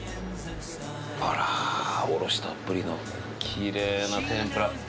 あらおろしたっぷりのきれいな天ぷら。